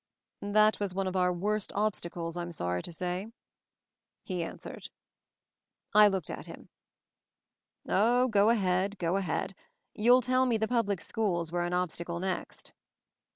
"That was one of our worst obstacles, I'm sorry to say," he answered. I looked at him. "Oh, go ahead, go 230 MOVING THE MOUNTAIN ahead! You'll tell me the public schools were an obstacle next."